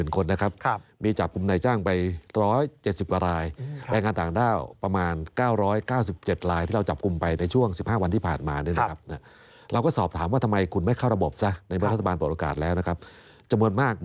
ครับมีการวิเคราะห์แม้ว่า๑๐ที่เหลือ